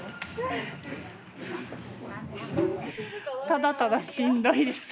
ただただしんどいです。